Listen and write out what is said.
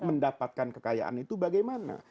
mendapatkan kekayaan itu bagaimana